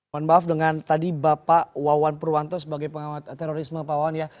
mohon maaf dengan tadi bapak wawan purwanto sebagai pengamat terorisme pak wawan ya